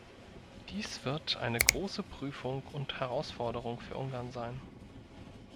Dies wird eine große Prüfung und Herausforderung für Ungarn sein.